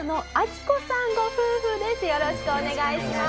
よろしくお願いします。